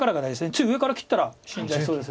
次上から切ったら死んじゃいそうです。